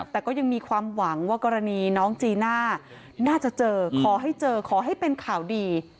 แต่ก็ยังมีความหวังว่ากรณีน้องจีน่าน่าจะเจอขอให้เจอขอให้เป็นข่าวดี